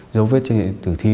dấu vết tử thi